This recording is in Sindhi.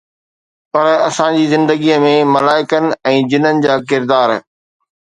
پر انسان جي زندگيءَ ۾ ملائڪن ۽ جنن جا ڪردار